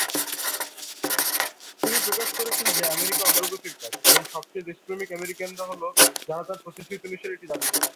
তিনি প্রকাশ করেছেন যে "আমেরিকা অগ্রগতির কাজ, এবং সবচেয়ে দেশপ্রেমিক আমেরিকানরা হ'ল যারা তার প্রতিশ্রুতি অনুসারে এটি দাবি করে।"